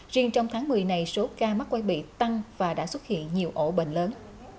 riêng trong tháng một mươi này số ca mắc quay bị tăng và đã xuất hiện nhiều ổ bệnh lớn